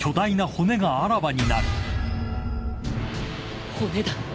骨だ。